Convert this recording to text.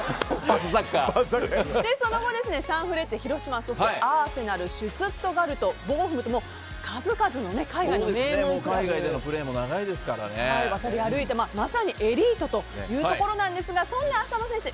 その後、サンフレッチェ広島そしてアーセナルシュツットガルト、ボーフムと数々の海外の名門クラブを渡り歩いてまさにエリートというところですがそんな浅野選手